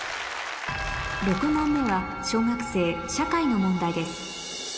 ６問目は小学生社会の問題です